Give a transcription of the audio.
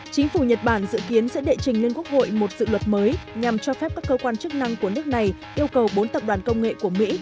chính phủ nhật bản dự kiến sẽ đệ trình lên quốc hội một dự luật mới nhằm cho phép các cơ quan chức năng của nước này yêu cầu bốn tập đoàn công nghệ của mỹ